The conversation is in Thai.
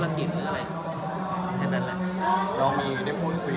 ไม่ค่อยรู้รายละเอียดหรือว่าเป็นภารกิจอะไร